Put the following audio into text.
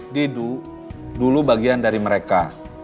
didu dulu bagian dari mereka